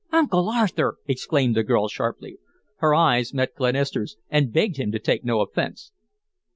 "Uncle Arthur!" exclaimed the girl, sharply. Her eyes met Glenister's and begged him to take no offence.